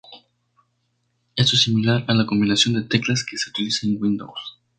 Esto es similar a la combinación de teclas que se utilizan en Windows.